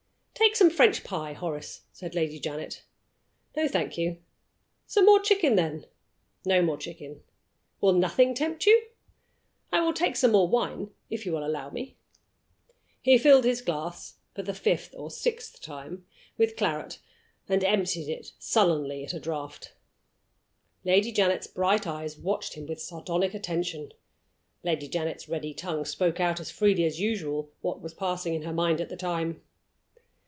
"Take some French pie, Horace," said Lady Janet. "No, thank you." "Some more chicken, then?" "No more chicken." "Will nothing tempt you?" "I will take some more wine, if you will allow me." He filled his glass (for the fifth or sixth time) with claret, and emptied it sullenly at a draught. Lady Janet's bright eyes watched him with sardonic attention; Lady Janet's ready tongue spoke out as freely as usual what was passing in her mind at the time.